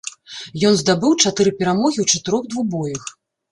Ён здабыў чатыры перамогі ў чатырох двубоях.